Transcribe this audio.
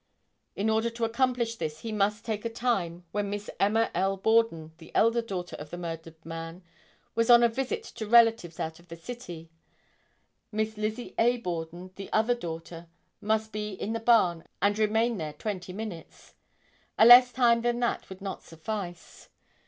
In order to accomplish this he must take a time when Miss Emma L. Borden, the elder daughter of the murdered man, was on a visit to relatives out of the city; Miss Lizzie A. Borden, the other daughter, must be in the barn and remain there twenty minutes. A less time than that would not suffice.